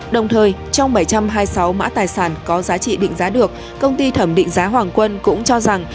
đồng thời trong bảy trăm hai mươi sáu mã tài sản có giá trị định giá được công ty thẩm định giá hoàng quân cũng cho rằng